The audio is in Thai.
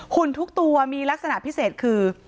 ทุกตัวมีลักษณะพิเศษคือ